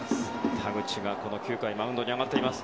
田口が９回マウンドに上がっています。